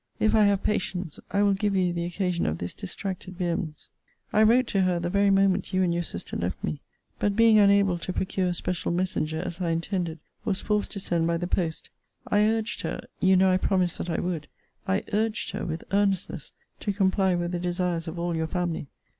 If I have patience, I will give you the occasion of this distracted vehemence. I wrote to her the very moment you and your sister left me. But being unable to procure a special messenger, as I intended, was forced to send by the post. I urged her, [you know I promised that I would: I urged her,] with earnestness, to comply with the desires of all your family.